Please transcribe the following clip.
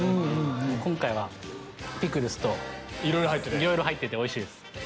今回はピクルスといろいろ入ってておいしいです。